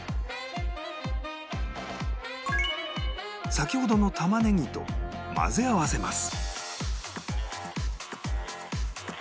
先ほどの玉ねぎと混ぜ合わせます